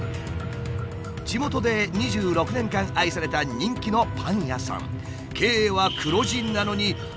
地元で２６年間愛された人気のパン屋さん。